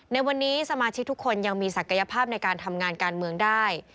ในวันนี้สมาชิกทุกคนยังมีศักยภาพในการทำงานการเมืองได้